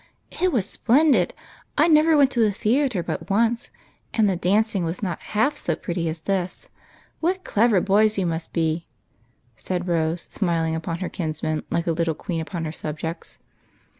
" It was splendid ! I never went to the theatre but once, and the dancing was not half so pretty as this. What clever boys you must be !" said Rose, smiling upon her kinsmen like a little queen upon her subjects.